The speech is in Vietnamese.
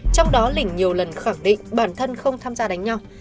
trong đó lình nhiều lần khẳng định bản thân không tham gia đánh nhau